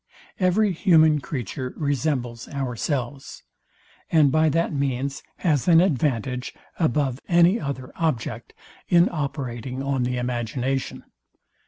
Every human creature resembles ourselves, and by that means has an advantage above any other object, in operating on the imagination.